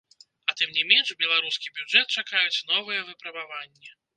А тым не менш, беларускі бюджэт чакаюць новыя выпрабаванні.